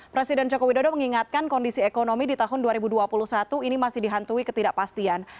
presiden joko widodo mengingatkan kondisi ekonomi di tahun dua ribu dua puluh satu ini masih dihantui ketidakpastian